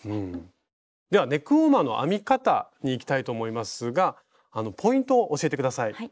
ではネックウォーマーの編み方にいきたいと思いますがポイントを教えて下さい。